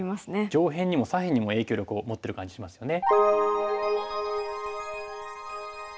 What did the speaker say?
上辺にも左辺にも影響力を持ってる感じしますよね。